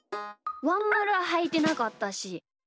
ワンまるははいてなかったし。